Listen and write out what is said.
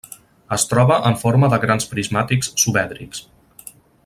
Es troba en forma de grans prismàtics subèdrics.